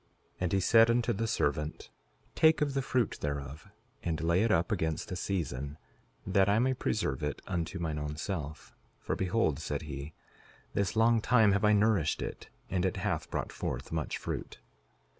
And he said unto the servant: Take of the fruit thereof, and lay it up against the season, that I may preserve it unto mine own self; for behold, said he, this long time have I nourished it, and it hath brought forth much fruit.